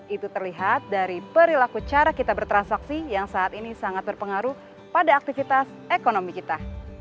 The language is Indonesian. itu terlihat dari perilaku cara kita bertransaksi yang saat ini sangat berpengaruh pada aktivitas ekonomi kita